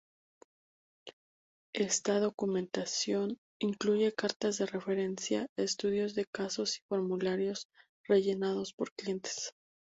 Esta documentación incluye cartas de referencia, estudios de casos y formularios rellenados por clientes.